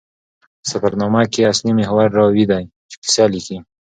په سفرنامه کښي اصلي محور راوي ده، چي کیسه لیکي.